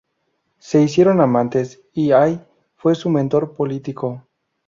Se hicieron amantes, y Hay fue su mentor político.